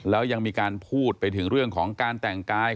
แล้วยังมีการพูดไปถึงเรื่องของการแต่งกาย